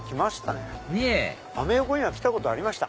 ねぇアメ横には来たことありました。